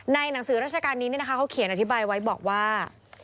หนังสือราชการนี้นะคะเขาเขียนอธิบายไว้บอกว่า